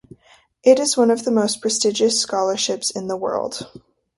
It is one of the most prestigious scholarships in the world.